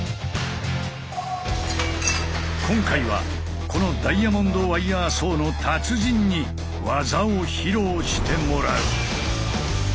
今回はこのダイヤモンドワイヤーソーの達人に技を披露してもらう！